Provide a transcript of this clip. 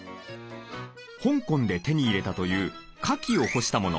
香港で手に入れたというカキを干したもの。